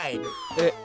えっ。